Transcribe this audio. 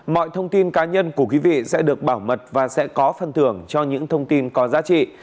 mọi thông tin cá nhân của quý vị sẽ được bảo mật và sẽ có phần thưởng cho những thông tin có giá trị